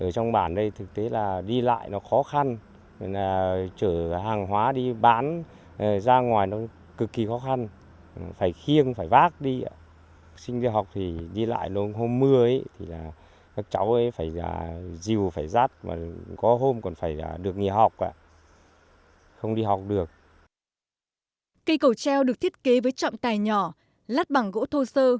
cây cầu treo được thiết kế với trọng tài nhỏ lát bằng gỗ thô sơ